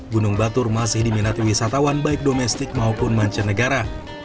gunung batur masih diminati wisatawan baik domestik maupun mancanegara